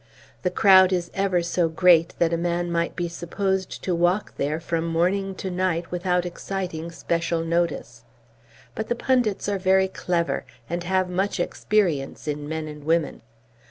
The crowd is ever so great that a man might be supposed to walk there from morning to night without exciting special notice. But the pundits are very clever, and have much experience in men and women.